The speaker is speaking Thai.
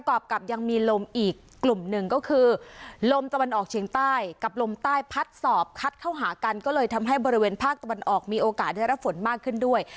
อบกับยังมีลมอีกกลุ่มหนึ่งก็คือลมตะวันออกเฉียงใต้กับลมใต้พัดสอบคัดเข้าหากันก็เลยทำให้บริเวณภาคตะวันออกมีโอกาสได้รับฝนมากขึ้นด้วย